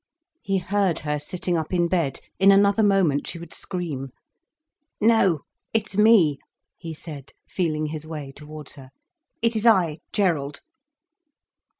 He heard her sitting up in bed. In another moment she would scream. "No, it's me," he said, feeling his way towards her. "It is I, Gerald."